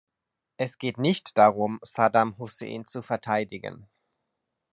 Es geht nicht darum, Saddam Hussein zu verteidigen.